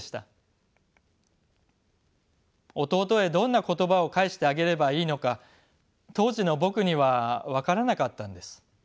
弟へどんな言葉を返してあげればいいのか当時の僕には分からなかったんです。